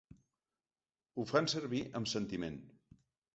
Ho fan servir amb sentiment.